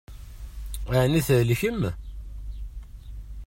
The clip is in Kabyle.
Ɛni thelkem?